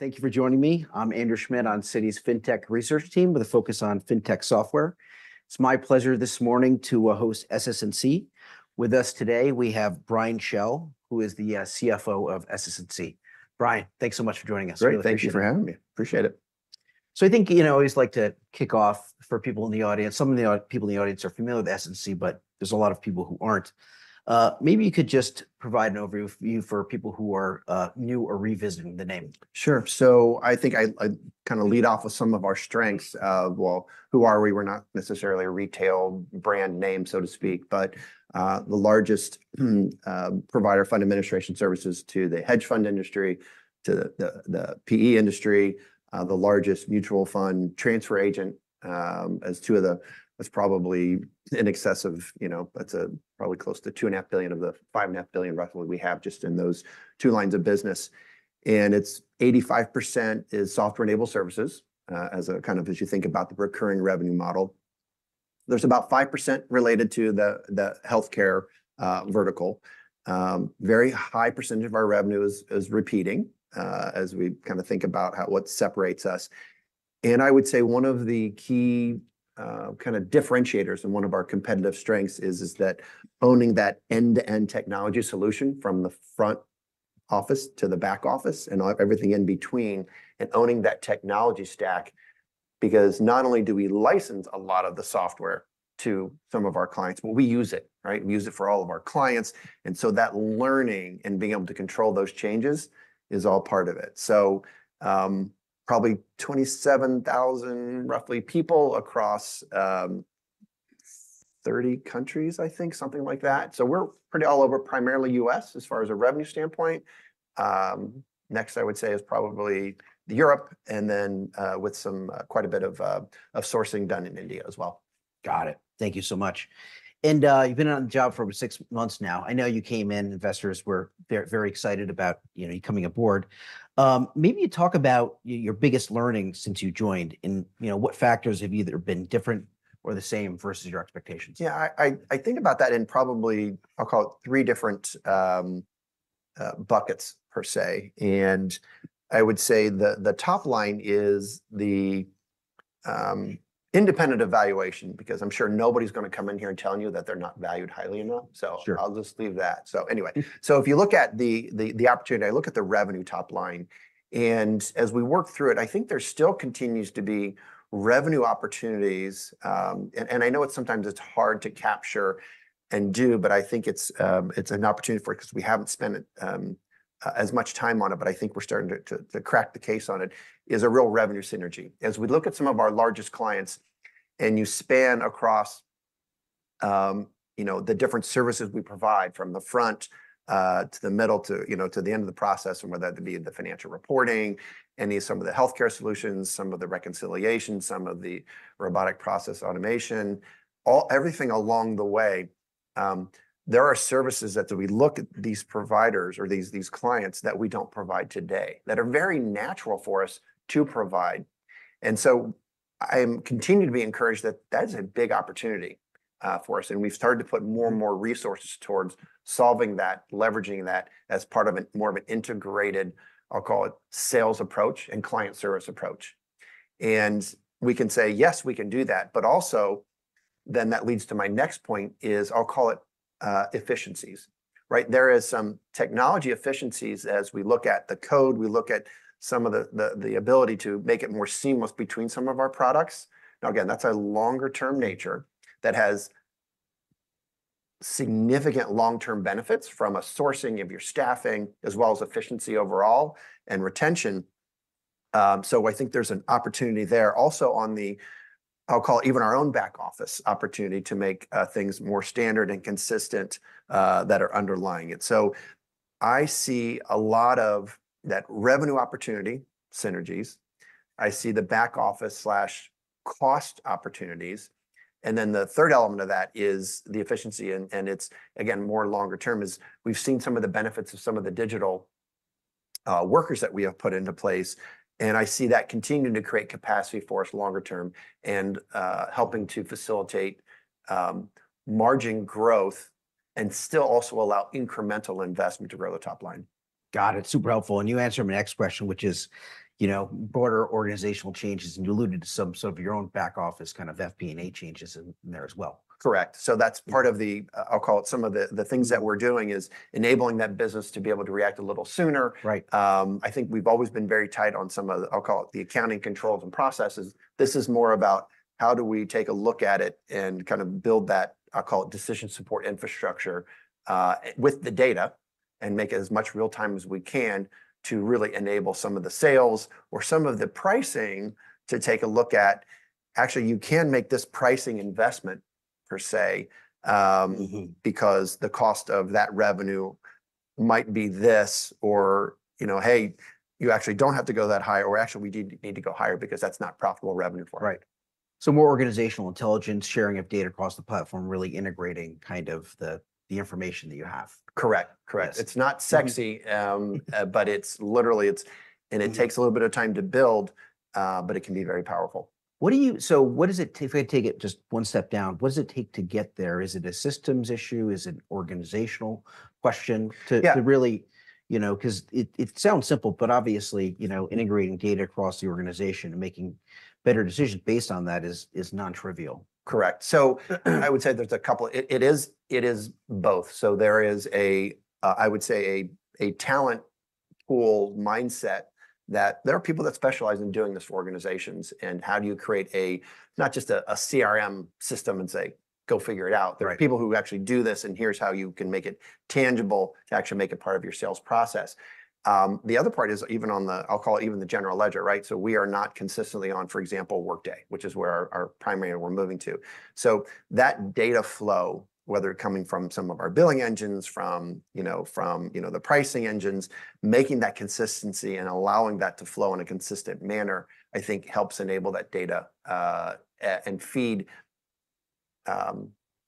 Thank you for joining me. I'm Andrew Schmidt on Citi's FinTech Research Team with a focus on FinTech software. It's my pleasure this morning to host SS&C. With us today, we have Brian Schell, who is the CFO of SS&C. Brian, thanks so much for joining us. Great. Thank you for having me. Appreciate it. I think I always like to kick off for people in the audience. Some of the people in the audience are familiar with SS&C, but there's a lot of people who aren't. Maybe you could just provide an overview for people who are new or revisiting the name. Sure. So I think I kind of lead off with some of our strengths. Well, who are we? We're not necessarily a retail brand name, so to speak, but the largest provider of fund administration services to the hedge fund industry, to the PE industry, the largest mutual fund transfer agent. As two of those, that's probably in excess of, you know, that's probably close to $2.5 billion of the $5.5 billion roughly we have just in those two lines of business. And it's 85% is software-enabled services as a kind of as you think about the recurring revenue model. There's about 5% related to the healthcare vertical. Very high percentage of our revenue is repeating as we kind of think about what separates us. And I would say one of the key kind of differentiators and one of our competitive strengths is that owning that end-to-end technology solution from the front office to the back office and everything in between and owning that technology stack. Because not only do we license a lot of the software to some of our clients, but we use it, right? We use it for all of our clients. And so that learning and being able to control those changes is all part of it. So probably 27,000 roughly people across 30 countries, I think, something like that. So we're pretty all over, primarily U.S. as far as a revenue standpoint. Next, I would say is probably Europe and then with quite a bit of sourcing done in India as well. Got it. Thank you so much. And you've been on the job for over six months now. I know you came in, investors were very excited about you coming aboard. Maybe you talk about your biggest learning since you joined and what factors have either been different or the same versus your expectations? Yeah, I think about that in probably I'll call it three different buckets per se. And I would say the top line is the independent evaluation because I'm sure nobody's going to come in here and tell you that they're not valued highly enough. So I'll just leave that. So anyway, so if you look at the opportunity, I look at the revenue top line. And as we work through it, I think there still continues to be revenue opportunities. And I know it sometimes it's hard to capture and do, but I think it's an opportunity for it because we haven't spent as much time on it, but I think we're starting to crack the case on it is a real revenue synergy. As we look at some of our largest clients and you span across the different services we provide from the front to the middle to the end of the process and whether that be the financial reporting, any of some of the healthcare solutions, some of the reconciliation, some of the robotic process automation, everything along the way. There are services that we look at these providers or these clients that we don't provide today that are very natural for us to provide. And so I continue to be encouraged that that is a big opportunity for us. And we've started to put more and more resources towards solving that, leveraging that as part of more of an integrated, I'll call it, sales approach and client service approach. And we can say, yes, we can do that, but also then that leads to my next point is I'll call it efficiencies, right? There are some technology efficiencies as we look at the code, we look at some of the ability to make it more seamless between some of our products. Now again, that's a longer-term nature that has significant long-term benefits from a sourcing of your staffing as well as efficiency overall and retention. So I think there's an opportunity there also on the, I'll call it even our own back office opportunity to make things more standard and consistent that are underlying it. So I see a lot of that revenue opportunity synergies. I see the back office/cost opportunities. And then the third element of that is the efficiency and it's, again, more longer-term is we've seen some of the benefits of some of the digital workers that we have put into place. And I see that continuing to create capacity for us longer-term and helping to facilitate margin growth and still also allow incremental investment to grow the top line. Got it. Super helpful. And you answered my next question, which is broader organizational changes and you alluded to some sort of your own back office kind of FP&A changes in there as well. Correct. So that's part of the, I'll call it, some of the things that we're doing is enabling that business to be able to react a little sooner. I think we've always been very tight on some of the, I'll call it, the accounting controls and processes. This is more about how do we take a look at it and kind of build that, I'll call it, decision support infrastructure with the data and make it as much real-time as we can to really enable some of the sales or some of the pricing to take a look at actually you can make this pricing investment per se because the cost of that revenue might be this or, you know, hey, you actually don't have to go that high or actually we need to go higher because that's not profitable revenue for us. Right. So more organizational intelligence, sharing of data across the platform, really integrating kind of the information that you have. Correct. Correct. It's not sexy, but it's literally, and it takes a little bit of time to build, but it can be very powerful. What does it take if I take it just one step down, what does it take to get there? Is it a systems issue? Is it an organizational question to really, you know, because it sounds simple, but obviously, you know, integrating data across the organization and making better decisions based on that is non-trivial. Correct. So I would say there's a couple. It is both. So there is a, I would say, a talent pool mindset that there are people that specialize in doing this for organizations and how do you create a not just a CRM system and say, go figure it out. There are people who actually do this and here's how you can make it tangible to actually make it part of your sales process. The other part is even on the, I'll call it even the general ledger, right? So we are not consistently on, for example, Workday, which is where our primary and we're moving to. So that data flow, whether it's coming from some of our billing engines, from the pricing engines, making that consistency and allowing that to flow in a consistent manner, I think helps enable that data and feed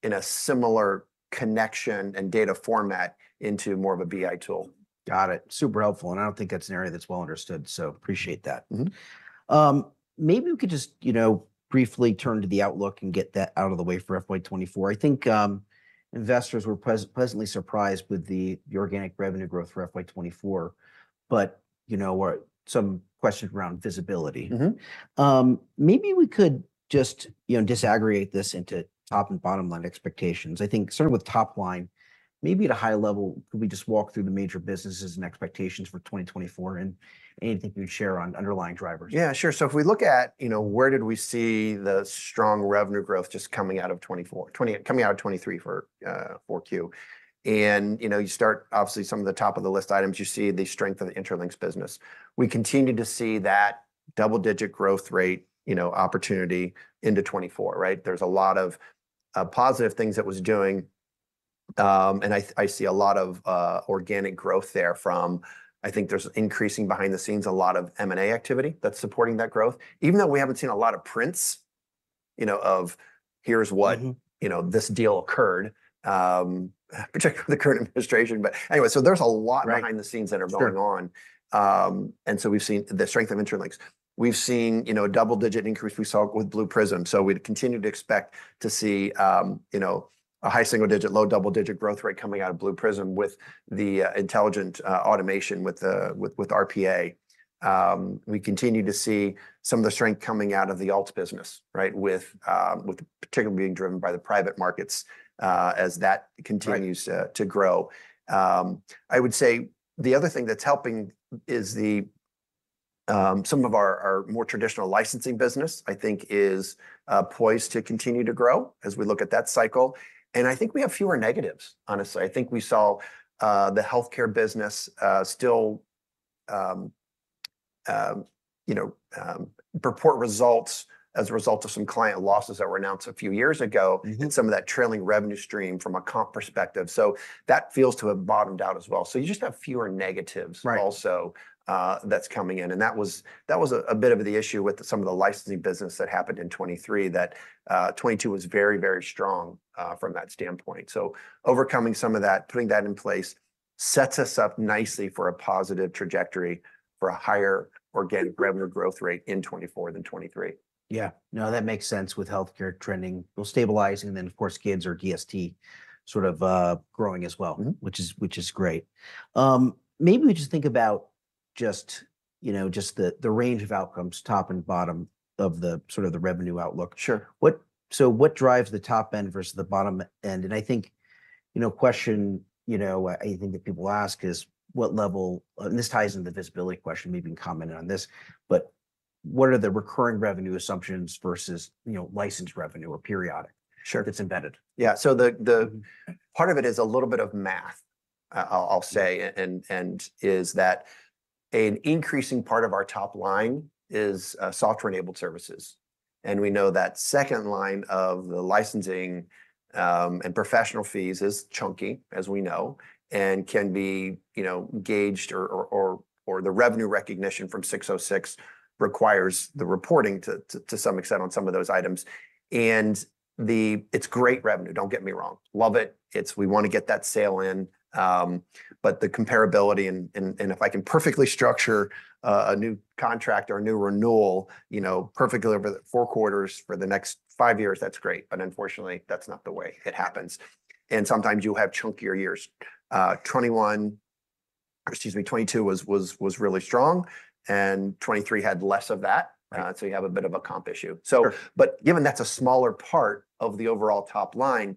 in a similar connection and data format into more of a BI tool. Got it. Super helpful. And I don't think that's an area that's well understood. So appreciate that. Maybe we could just briefly turn to the Outlook and get that out of the way for FY 2024. I think investors were pleasantly surprised with the organic revenue growth for FY 2024, but some questions around visibility. Maybe we could just disaggregate this into top and bottom line expectations. I think starting with top line, maybe at a high level, could we just walk through the major businesses and expectations for 2024 and anything you'd share on underlying drivers? Yeah, sure. So if we look at where did we see the strong revenue growth just coming out of 2023 for 4Q? And you start obviously some of the top of the list items, you see the strength of the Intralinks business. We continue to see that double-digit growth rate opportunity into 2024, right? There's a lot of positive things that was doing. And I see a lot of organic growth there from I think there's increasing behind the scenes a lot of M&A activity that's supporting that growth, even though we haven't seen a lot of prints of here's what this deal occurred, particularly with the current administration. But anyway, so there's a lot behind the scenes that are going on. And so we've seen the strength of Intralinks. We've seen a double-digit increase. We saw it with Blue Prism. So we'd continue to expect to see a high single-digit, low double-digit growth rate coming out of Blue Prism with the intelligent automation with RPA. We continue to see some of the strength coming out of the alt business, right, particularly being driven by the private markets as that continues to grow. I would say the other thing that's helping is some of our more traditional licensing business, I think, is poised to continue to grow as we look at that cycle. And I think we have fewer negatives, honestly. I think we saw the healthcare business still report results as a result of some client losses that were announced a few years ago and some of that trailing revenue stream from a comp perspective. So that feels to have bottomed out as well. So you just have fewer negatives also that's coming in. That was a bit of the issue with some of the licensing business that happened in 2023 that 2022 was very, very strong from that standpoint. Overcoming some of that, putting that in place sets us up nicely for a positive trajectory for a higher organic revenue growth rate in 2024 than 2023. Yeah. No, that makes sense with healthcare trending, well, stabilizing, and then of course GIDS or DST sort of growing as well, which is great. Maybe we just think about just the range of outcomes, top and bottom of the sort of the revenue outlook. So what drives the top end versus the bottom end? And I think question I think that people ask is what level and this ties into the visibility question, maybe you can comment on this, but what are the recurring revenue assumptions versus licensed revenue or periodic that's embedded? Yeah. So part of it is a little bit of math, I'll say, and is that an increasing part of our top line is software-enabled services. And we know that second line of the licensing and professional fees is chunky, as we know, and can be gauged or the revenue recognition from ASC 606 requires the reporting to some extent on some of those items. And it's great revenue. Don't get me wrong. Love it. We want to get that sale in. But the comparability and if I can perfectly structure a new contract or a new renewal perfectly over the four quarters for the next five years, that's great. But unfortunately, that's not the way it happens. And sometimes you'll have chunkier years. 2021, excuse me, 2022 was really strong. And 2023 had less of that. So you have a bit of a comp issue. But given that's a smaller part of the overall top line,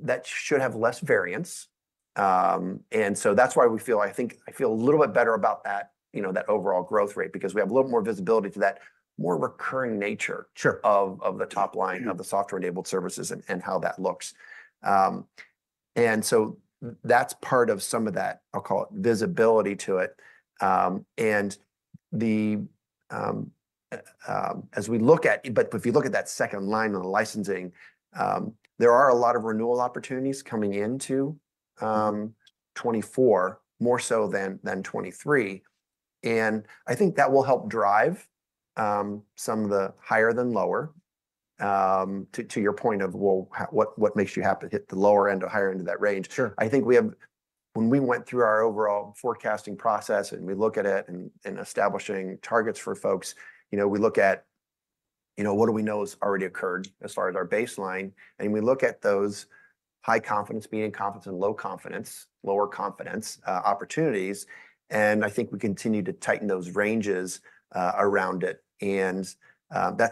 that should have less variance. And so that's why we feel I think I feel a little bit better about that overall growth rate because we have a little bit more visibility to that more recurring nature of the top line of the software-enabled services and how that looks. And so that's part of some of that, I'll call it, visibility to it. And as we look at but if you look at that second line on the licensing, there are a lot of renewal opportunities coming into 2024 more so than 2023. And I think that will help drive some of the higher than lower. To your point of, well, what makes you happy to hit the lower end or higher end of that range, I think we have when we went through our overall forecasting process and we look at it and establishing targets for folks, we look at what do we know has already occurred as far as our baseline? We look at those high confidence, medium confidence, and low confidence, lower confidence opportunities. That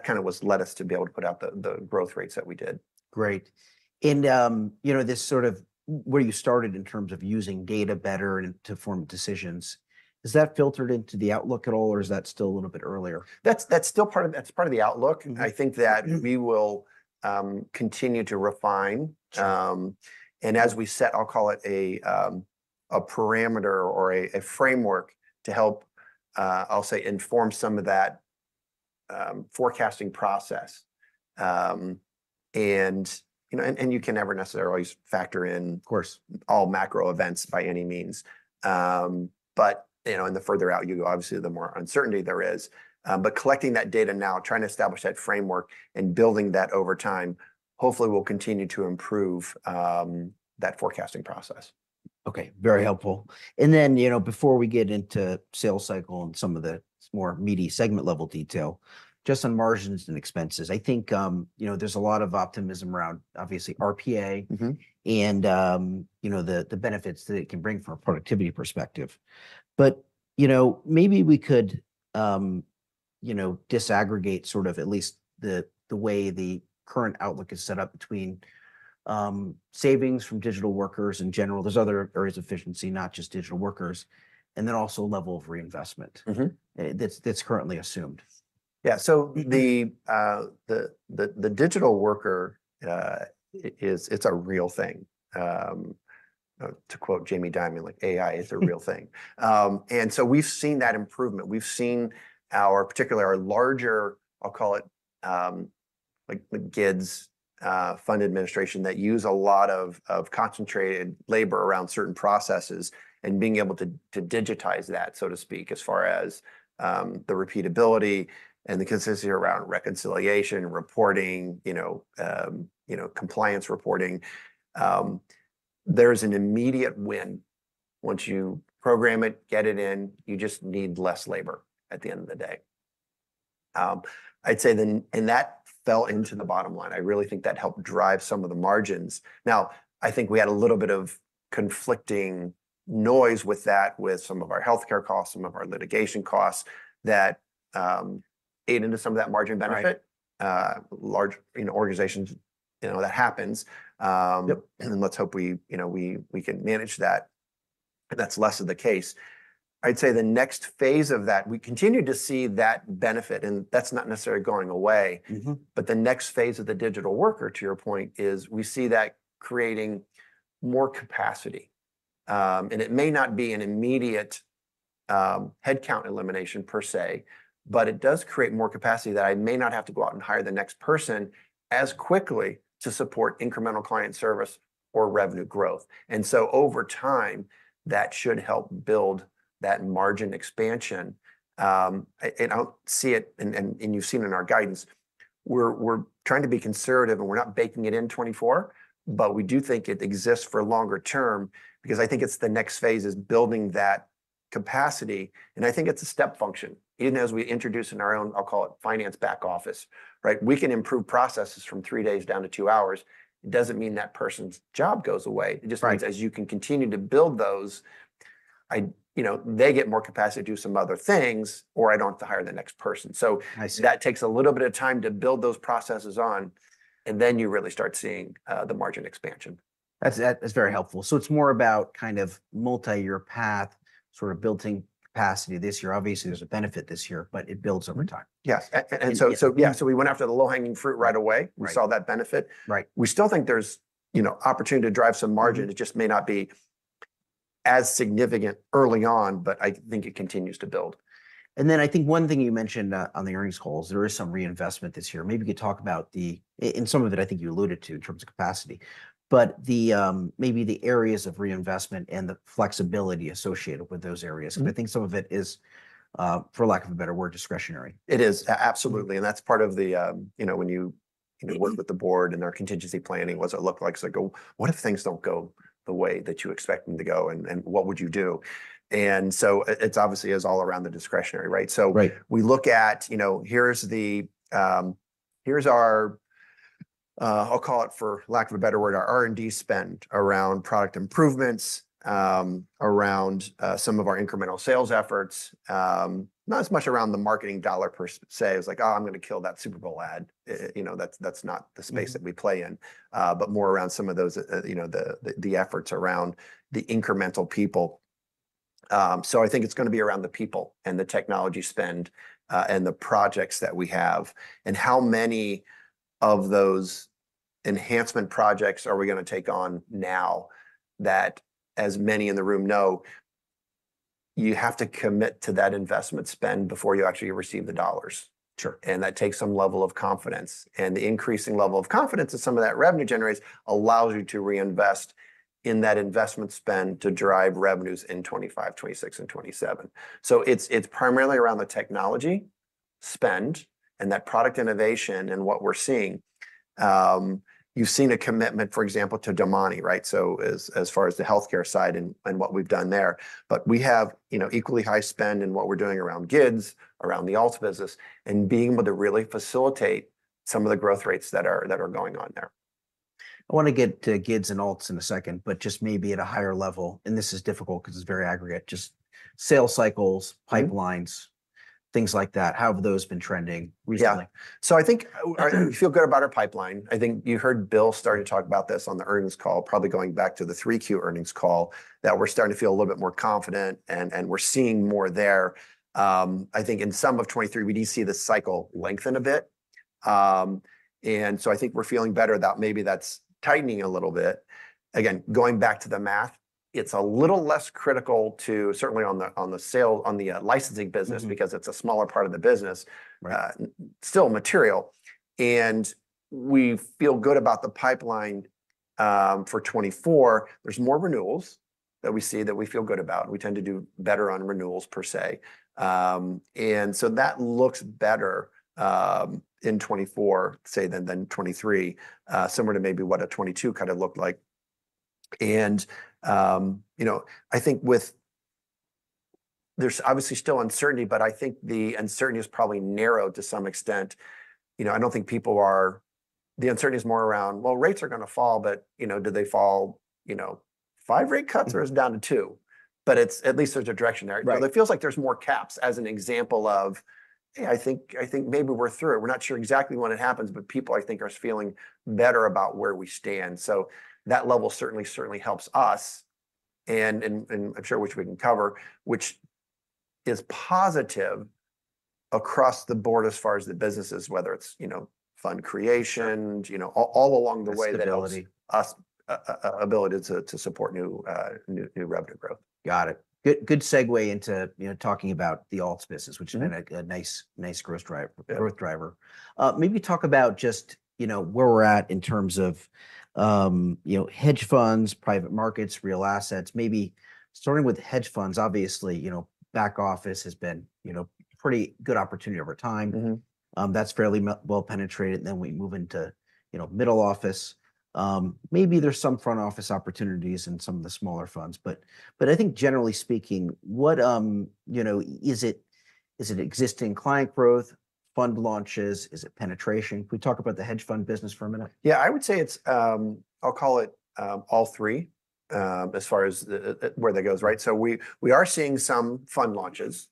kind of led us to be able to put out the growth rates that we did. Great. This sort of where you started in terms of using data better and to form decisions, is that filtered into the outlook at all or is that still a little bit earlier? That's still part of the outlook. I think that we will continue to refine. And as we set, I'll call it a parameter or a framework to help, I'll say, inform some of that forecasting process. And you can never necessarily factor in all macro events by any means. But in the further out you go, obviously, the more uncertainty there is. But collecting that data now, trying to establish that framework and building that over time, hopefully will continue to improve that forecasting process. Okay. Very helpful. And then, before we get into sales cycle and some of the more meaty segment-level detail, just on margins and expenses, I think there's a lot of optimism around, obviously, RPA and the benefits that it can bring from a productivity perspective. But maybe we could disaggregate sort of at least the way the current outlook is set up between savings from digital workers in general. There's other areas of efficiency, not just digital workers. And then also level of reinvestment that's currently assumed. Yeah. So the digital worker, it's a real thing. To quote Jamie Dimon, "AI is a real thing." And so we've seen that improvement. We've seen particularly our larger, I'll call it GIDS fund administration that use a lot of concentrated labor around certain processes and being able to digitize that, so to speak, as far as the repeatability and the consistency around reconciliation, reporting, compliance reporting. There's an immediate win. Once you program it, get it in, you just need less labor at the end of the day. I'd say that fell into the bottom line. I really think that helped drive some of the margins. Now, I think we had a little bit of conflicting noise with that with some of our healthcare costs, some of our litigation costs that ate into some of that margin benefit. Large organizations, that happens. And then let's hope we can manage that. That's less of the case. I'd say the next phase of that. We continue to see that benefit. That's not necessarily going away. But the next phase of the digital worker, to your point, is we see that creating more capacity. It may not be an immediate headcount elimination per se, but it does create more capacity that I may not have to go out and hire the next person as quickly to support incremental client service or revenue growth. So over time, that should help build that margin expansion. I don't see it, and you've seen it in our guidance. We're trying to be conservative and we're not baking it in 2024, but we do think it exists for a longer term because I think it's the next phase is building that capacity. It's a step function. Even as we introduce in our own, I'll call it, finance back office, right? We can improve processes from 3 days down to 2 hours. It doesn't mean that person's job goes away. It just means as you can continue to build those, they get more capacity to do some other things or I don't have to hire the next person. So that takes a little bit of time to build those processes on. And then you really start seeing the margin expansion. That's very helpful. So it's more about kind of multi-year path, sort of building capacity this year. Obviously, there's a benefit this year, but it builds over time. Yes. And so yeah, so we went after the low-hanging fruit right away. We saw that benefit. We still think there's opportunity to drive some margin. It just may not be as significant early on, but I think it continues to build. And then I think one thing you mentioned on the earnings calls, there is some reinvestment this year. Maybe you could talk about the and some of it, I think you alluded to in terms of capacity, but maybe the areas of reinvestment and the flexibility associated with those areas because I think some of it is, for lack of a better word, discretionary. It is. Absolutely. And that's part of the when you work with the board and their contingency planning, what's it look like? It's like, well, what if things don't go the way that you expect them to go and what would you do? And so it obviously is all around the discretionary, right? So we look at here's our, I'll call it, for lack of a better word, our R&D spend around product improvements, around some of our incremental sales efforts, not as much around the marketing dollar per se. It was like, oh, I'm going to kill that Super Bowl ad. That's not the space that we play in, but more around some of those, the efforts around the incremental people. So I think it's going to be around the people and the technology spend and the projects that we have and how many of those enhancement projects are we going to take on now that, as many in the room know, you have to commit to that investment spend before you actually receive the dollars. That takes some level of confidence. The increasing level of confidence that some of that revenue generates allows you to reinvest in that investment spend to drive revenues in 2025, 2026, and 2027. It's primarily around the technology spend and that product innovation and what we're seeing. You've seen a commitment, for example, to Domani, right? As far as the healthcare side and what we've done there. But we have equally high spend in what we're doing around GIDS, around the alt business, and being able to really facilitate some of the growth rates that are going on there. I want to get to GIDS and alts in a second, but just maybe at a higher level. This is difficult because it's very aggregate. Just sales cycles, pipelines, things like that. How have those been trending recently? Yeah. So I think we feel good about our pipeline. I think you heard Bill starting to talk about this on the earnings call, probably going back to the 3Q earnings call, that we're starting to feel a little bit more confident and we're seeing more there. I think in some of 2023, we do see the cycle lengthen a bit. And so I think we're feeling better about maybe that's tightening a little bit. Again, going back to the math, it's a little less critical to certainly on the licensing business because it's a smaller part of the business, still material. And we feel good about the pipeline for 2024. There's more renewals that we see that we feel good about. We tend to do better on renewals per se. So that looks better in 2024, say, than 2023, similar to maybe what a 2022 kind of looked like. I think with that, there's obviously still uncertainty, but I think the uncertainty is probably narrowed to some extent. I don't think people are the uncertainty is more around, well, rates are going to fall, but do they fall five rate cuts or is it down to two? But at least there's a direction there. It feels like there's more caps as an example of, hey, I think maybe we're through it. We're not sure exactly when it happens, but people, I think, are feeling better about where we stand. So that level certainly, certainly helps us. And I'm sure, which we can cover, which is positive across the board as far as the businesses, whether it's fund creation, all along the way that it's our ability to support new revenue growth. Got it. Good segue into talking about the alts business, which has been a nice growth driver. Maybe talk about just where we're at in terms of hedge funds, private markets, real assets. Maybe starting with hedge funds, obviously, back office has been a pretty good opportunity over time. That's fairly well penetrated. Then we move into middle office. Maybe there's some front office opportunities in some of the smaller funds. But I think generally speaking, is it existing client growth, fund launches? Is it penetration? Can we talk about the hedge fund business for a minute? Yeah. I would say it's, I'll call it all three as far as where that goes, right? So we are seeing some fund launches.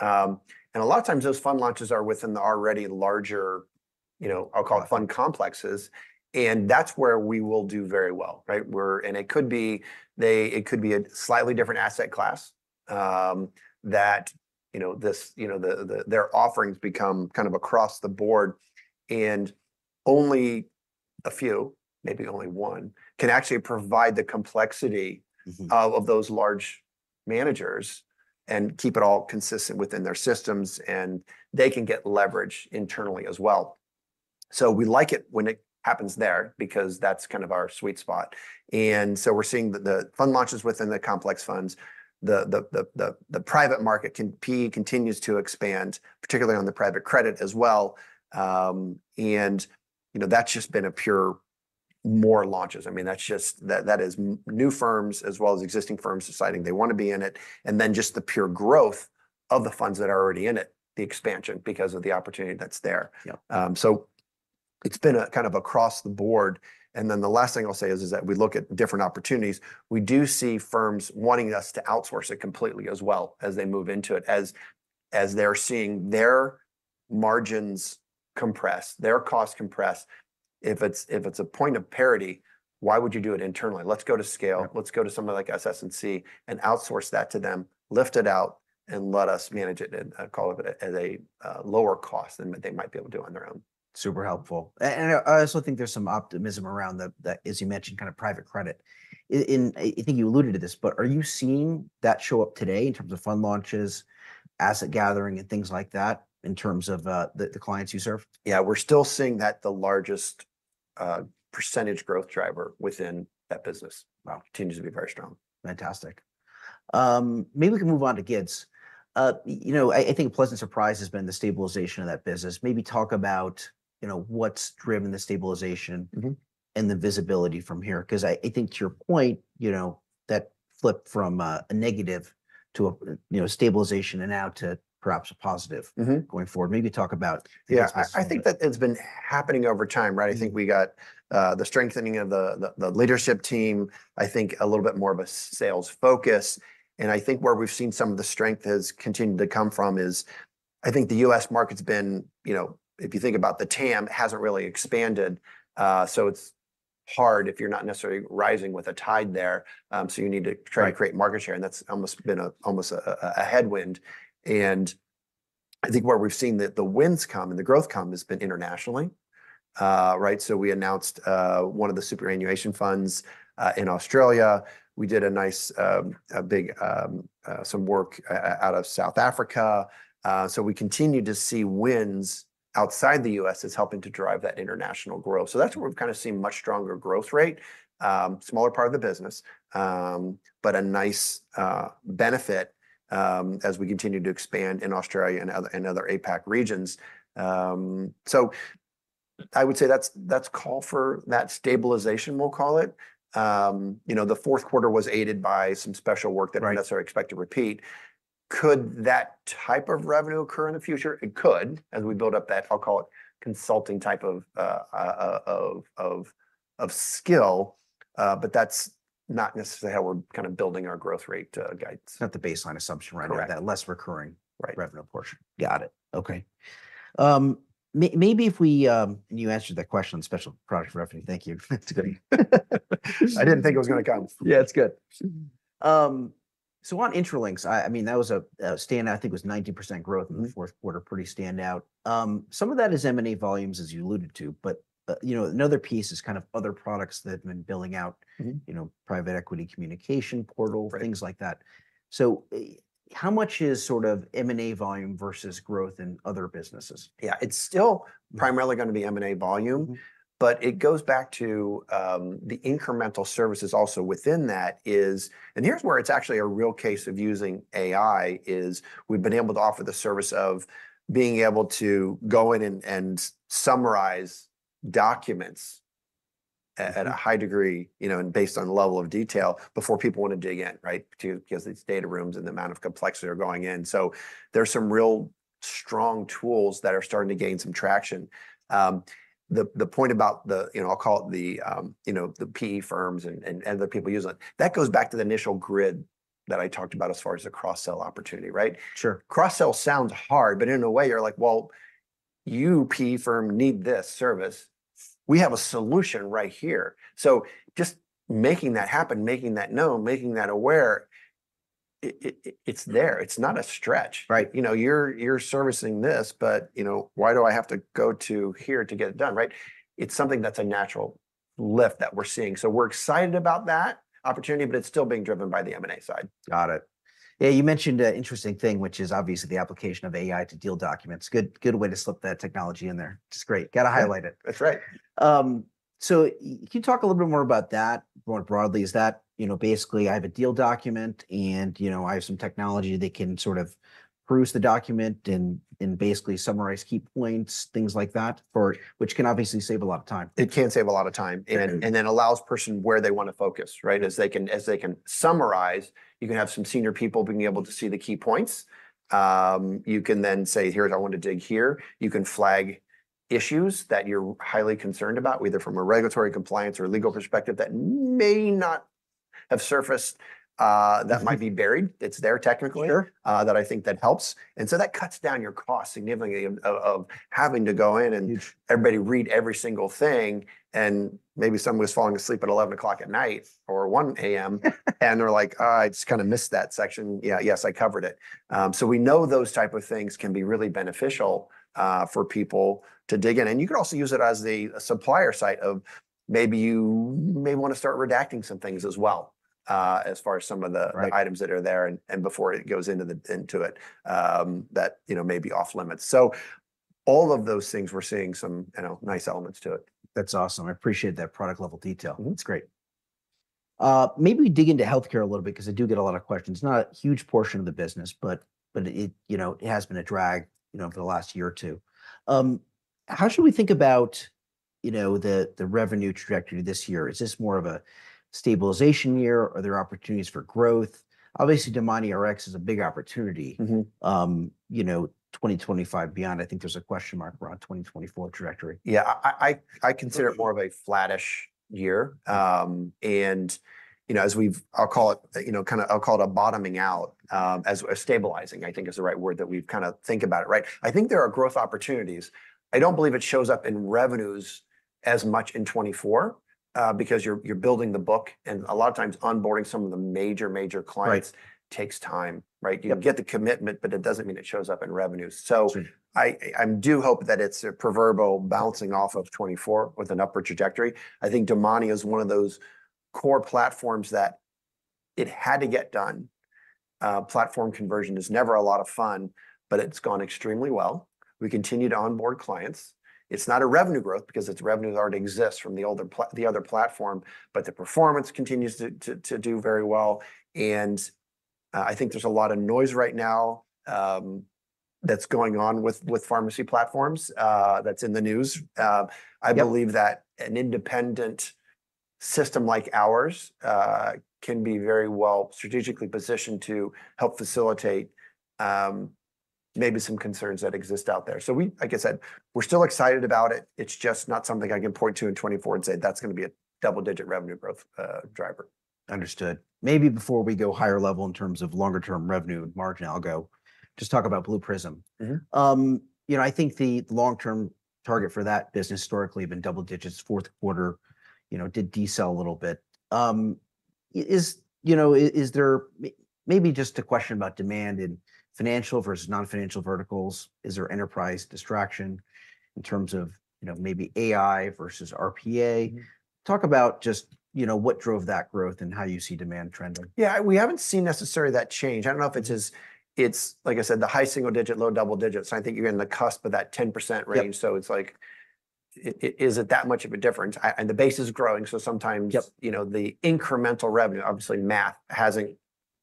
And a lot of times those fund launches are within the already larger, I'll call it, fund complexes. And that's where we will do very well, right? And it could be it could be a slightly different asset class that their offerings become kind of across the board. And only a few, maybe only one, can actually provide the complexity of those large managers and keep it all consistent within their systems. And they can get leverage internally as well. So we like it when it happens there because that's kind of our sweet spot. And so we're seeing the fund launches within the complex funds. The private market PE continues to expand, particularly on the private credit as well. That's just been purely more launches. I mean, that's just that is new firms as well as existing firms deciding they want to be in it. Then just the pure growth of the funds that are already in it, the expansion because of the opportunity that's there. So it's been kind of across the board. Then the last thing I'll say is that we look at different opportunities. We do see firms wanting us to outsource it completely as well as they move into it as they're seeing their margins compress, their costs compress. If it's a point of parity, why would you do it internally? Let's go to scale. Let's go to somebody like SS&C and outsource that to them, lift it out, and let us manage it at a lower cost than they might be able to do on their own. Super helpful. I also think there's some optimism around that, as you mentioned, kind of private credit. I think you alluded to this, but are you seeing that show up today in terms of fund launches, asset gathering, and things like that in terms of the clients you serve? Yeah. We're still seeing that the largest percentage growth driver within that business continues to be very strong. Fantastic. Maybe we can move on to GIDS. I think a pleasant surprise has been the stabilization of that business. Maybe talk about what's driven the stabilization and the visibility from here because I think to your point, that flipped from a negative to a stabilization and now to perhaps a positive going forward. Maybe talk about the aspects. Yeah. I think that it's been happening over time, right? I think we got the strengthening of the leadership team, I think a little bit more of a sales focus. And I think where we've seen some of the strength has continued to come from is I think the U.S. market's been, if you think about the TAM, hasn't really expanded. So it's hard if you're not necessarily rising with a tide there. So you need to try to create market share. And that's almost been a headwind. And I think where we've seen the wins come and the growth come has been internationally, right? So we announced one of the superannuation funds in Australia. We did a nice big sum of work out of South Africa. So we continue to see wins outside the U.S. that's helping to drive that international growth. So that's where we've kind of seen much stronger growth rate, smaller part of the business, but a nice benefit as we continue to expand in Australia and other APAC regions. So I would say that's call for that stabilization, we'll call it. The fourth quarter was aided by some special work that we're not necessarily expect to repeat. Could that type of revenue occur in the future? It could as we build up that, I'll call it, consulting type of skill. But that's not necessarily how we're kind of building our growth rate guides. Not the baseline assumption, right? Correct. That less recurring revenue portion. Got it. Okay. Maybe if we and you answered that question on special product revenue. Thank you. I didn't think it was going to come. Yeah, it's good. So on Intralinks, I mean, that was a standout. I think it was 90% growth in the fourth quarter, pretty standout. Some of that is M&A volumes, as you alluded to, but another piece is kind of other products that have been billing out, private equity communication portal, things like that. So how much is sort of M&A volume versus growth in other businesses? Yeah. It's still primarily going to be M&A volume. But it goes back to the incremental services also within that is and here's where it's actually a real case of using AI is we've been able to offer the service of being able to go in and summarize documents at a high degree and based on the level of detail before people want to dig in, right? Because it's data rooms and the amount of complexity they're going in. So there's some real strong tools that are starting to gain some traction. The point about the, I'll call it the PE firms and the people using it, that goes back to the initial grid that I talked about as far as the cross-sell opportunity, right? Cross-sell sounds hard, but in a way, you're like, well, you PE firm need this service. We have a solution right here. So just making that happen, making that known, making that aware, it's there. It's not a stretch. You're servicing this, but why do I have to go to here to get it done, right? It's something that's a natural lift that we're seeing. So we're excited about that opportunity, but it's still being driven by the M&A side. Got it. Yeah. You mentioned an interesting thing, which is obviously the application of AI to deal documents. Good way to slip that technology in there. It's great. Got to highlight it. That's right. So can you talk a little bit more about that more broadly? Is that basically, I have a deal document and I have some technology that can sort of peruse the document and basically summarize key points, things like that, which can obviously save a lot of time? It can save a lot of time and then allows person where they want to focus, right? As they can summarize, you can have some senior people being able to see the key points. You can then say, here's I want to dig here. You can flag issues that you're highly concerned about, either from a regulatory compliance or legal perspective that may not have surfaced, that might be buried. It's there technically that I think that helps. And so that cuts down your cost significantly of having to go in and everybody read every single thing. And maybe someone was falling asleep at 11:00 P.M. or 1:00 A.M. and they're like, oh, I just kind of missed that section. Yeah, yes, I covered it. So we know those type of things can be really beneficial for people to dig in. You could also use it as the supplier site of maybe you may want to start redacting some things as well as far as some of the items that are there and before it goes into it that may be off limits. So all of those things, we're seeing some nice elements to it. That's awesome. I appreciate that product-level detail. That's great. Maybe we dig into healthcare a little bit because I do get a lot of questions. Not a huge portion of the business, but it has been a drag over the last year or two. How should we think about the revenue trajectory this year? Is this more of a stabilization year? Are there opportunities for growth? Obviously, DomaniRx is a big opportunity. 2025 beyond, I think there's a question mark around 2024 trajectory. Yeah. I consider it more of a flat-ish year. And as we've, I'll call it kind of, I'll call it a bottoming out as stabilizing, I think, is the right word that we've kind of think about it, right? I think there are growth opportunities. I don't believe it shows up in revenues as much in 2024 because you're building the book. And a lot of times, onboarding some of the major, major clients takes time, right? You get the commitment, but it doesn't mean it shows up in revenues. So I do hope that it's a proverbial bouncing off of 2024 with an upward trajectory. I think Domani is one of those core platforms that it had to get done. Platform conversion is never a lot of fun, but it's gone extremely well. We continue to onboard clients. It's not a revenue growth because it's revenue that already exists from the other platform, but the performance continues to do very well. I think there's a lot of noise right now that's going on with pharmacy platforms that's in the news. I believe that an independent system like ours can be very well strategically positioned to help facilitate maybe some concerns that exist out there. We, like I said, we're still excited about it. It's just not something I can point to in 2024 and say that's going to be a double-digit revenue growth driver. Understood. Maybe before we go higher level in terms of longer-term revenue and margin, I'll go just talk about Blue Prism. I think the long-term target for that business historically has been double digits. Fourth quarter did decelerate a little bit. Is there maybe just a question about demand in financial versus non-financial verticals? Is there enterprise distraction in terms of maybe AI versus RPA? Talk about just what drove that growth and how you see demand trending. Yeah. We haven't seen necessarily that change. I don't know if it's as, like I said, the high single digit, low double digit. So I think you're in the cusp of that 10% range. So it's like, is it that much of a difference? And the base is growing. So sometimes the incremental revenue, obviously math hasn't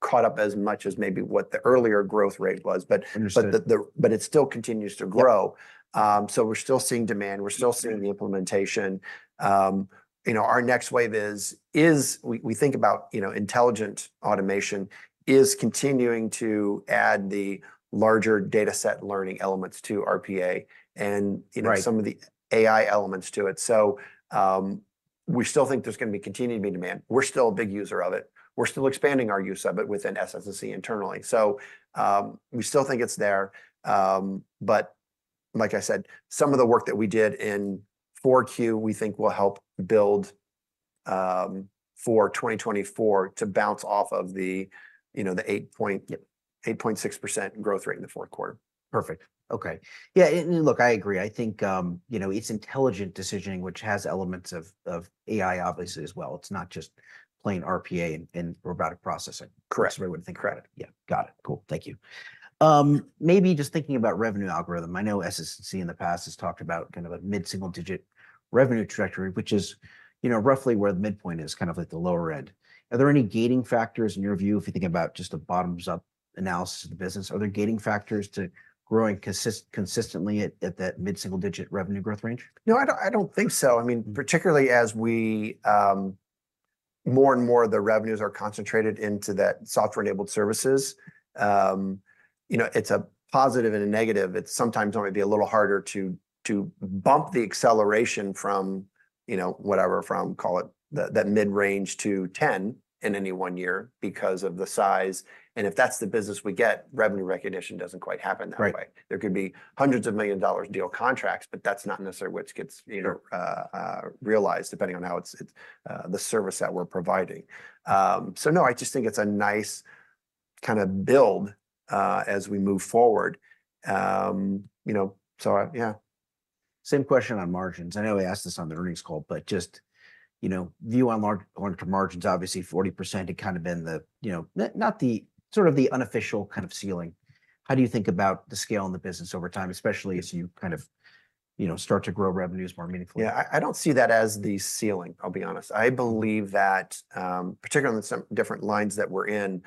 caught up as much as maybe what the earlier growth rate was, but it still continues to grow. So we're still seeing demand. We're still seeing the implementation. Our next wave is we think about intelligent automation is continuing to add the larger data set learning elements to RPA and some of the AI elements to it. So we still think there's going to be continued to be demand. We're still a big user of it. We're still expanding our use of it within SS&C internally. So we still think it's there. But like I said, some of the work that we did in 4Q, we think will help build for 2024 to bounce off of the 8.6% growth rate in the fourth quarter. Perfect. Okay. Yeah. And look, I agree. I think it's intelligent decisioning, which has elements of AI, obviously, as well. It's not just plain RPA and robotic processing. Correct. That's the way I would think about it. Yeah. Got it. Cool. Thank you. Maybe just thinking about revenue algorithm, I know SS&C in the past has talked about kind of a mid-single digit revenue trajectory, which is roughly where the midpoint is, kind of like the lower end. Are there any gating factors in your view, if you think about just a bottoms-up analysis of the business? Are there gating factors to growing consistently at that mid-single digit revenue growth range? No, I don't think so. I mean, particularly as more and more of the revenues are concentrated into that software-enabled services, it's a positive and a negative. It sometimes might be a little harder to bump the acceleration from whatever, call it that mid-range to 10 in any one year because of the size. And if that's the business we get, revenue recognition doesn't quite happen that way. There could be $hundreds of millions of dollars deal contracts, but that's not necessarily what gets realized depending on how it's the service that we're providing. So no, I just think it's a nice kind of build as we move forward. So yeah. Same question on margins. I know we asked this on the earnings call, but just view on margins, obviously 40%, it kind of been the sort of the unofficial kind of ceiling. How do you think about the scale in the business over time, especially as you kind of start to grow revenues more meaningfully? Yeah. I don't see that as the ceiling, I'll be honest. I believe that particularly on the different lines that we're in,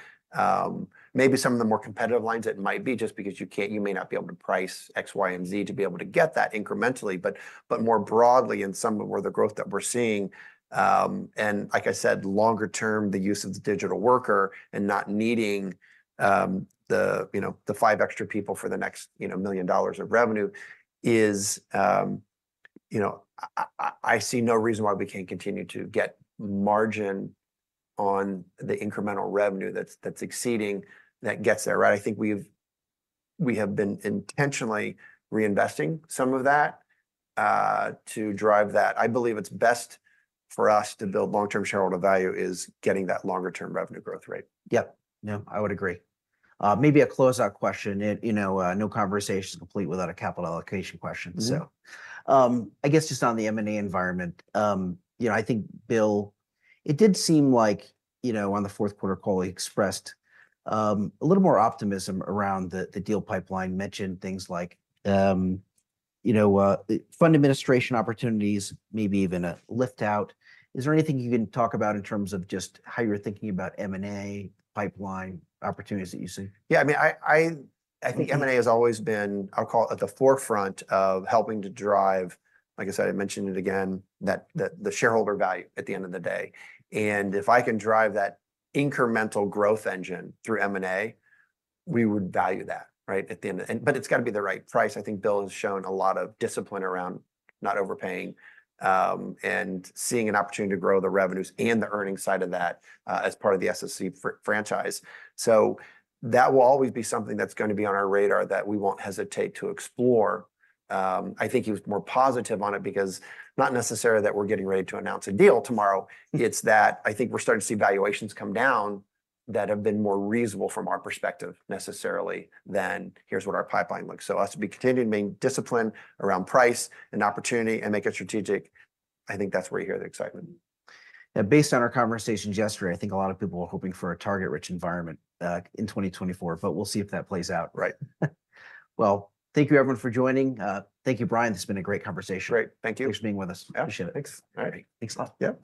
maybe some of the more competitive lines, it might be just because you may not be able to price X, Y, and Z to be able to get that incrementally. But more broadly in some of where the growth that we're seeing, and like I said, longer-term, the use of the digital worker and not needing the five extra people for the next $1 million of revenue is I see no reason why we can't continue to get margin on the incremental revenue that's exceeding that gets there, right? I think we have been intentionally reinvesting some of that to drive that. I believe it's best for us to build long-term shareholder value is getting that longer-term revenue growth rate. Yep. No, I would agree. Maybe a closeout question. No conversation is complete without a capital allocation question. So I guess just on the M&A environment, I think, Bill, it did seem like on the fourth quarter call, he expressed a little more optimism around the deal pipeline, mentioned things like fund administration opportunities, maybe even a lift out. Is there anything you can talk about in terms of just how you're thinking about M&A, pipeline opportunities that you see? Yeah. I mean, I think M&A has always been, I'll call it, at the forefront of helping to drive, like I said, I mentioned it again, the shareholder value at the end of the day. And if I can drive that incremental growth engine through M&A, we would value that, right, at the end of the day. But it's got to be the right price. I think Bill has shown a lot of discipline around not overpaying and seeing an opportunity to grow the revenues and the earnings side of that as part of the SS&C franchise. So that will always be something that's going to be on our radar that we won't hesitate to explore. I think he was more positive on it because not necessarily that we're getting ready to announce a deal tomorrow. It's that I think we're starting to see valuations come down that have been more reasonable from our perspective, necessarily, than here's what our pipeline looks. So us to be continuing to maintain discipline around price and opportunity and make it strategic, I think that's where you hear the excitement. Now, based on our conversations yesterday, I think a lot of people were hoping for a target-rich environment in 2024, but we'll see if that plays out. Right. Well, thank you, everyone, for joining. Thank you, Brian. This has been a great conversation. Great. Thank you. Thanks for being with us. Appreciate it. Yeah. Thanks. All right. Thanks, a lot. Yep.